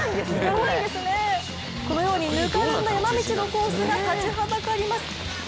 このように、ぬかるんだ山道のコースが立ちはだかります。